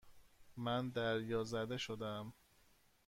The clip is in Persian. من دریازده شدهام.